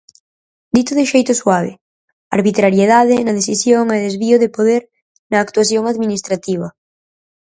Dito de xeito suave: arbitrariedade na decisión e desvío de poder na actuación administrativa.